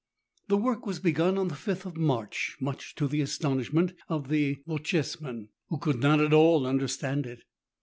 The work was begun on the 5th of March, much to the astonishment of the Bochjesmen, who could not at all understand it.